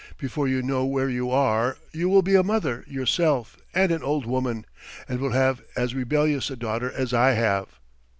Before you know where you are you will be a mother yourself and an old woman, and will have as rebellious a daughter as I have."